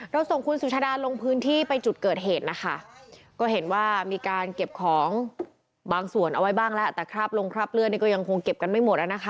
ส่งคุณสุชาดาลงพื้นที่ไปจุดเกิดเหตุนะคะก็เห็นว่ามีการเก็บของบางส่วนเอาไว้บ้างแล้วแต่คราบลงคราบเลือดนี่ก็ยังคงเก็บกันไม่หมดแล้วนะคะ